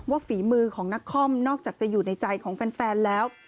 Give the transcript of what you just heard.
ฝีมือของนักคอมนอกจากจะอยู่ในใจของแฟนแล้ว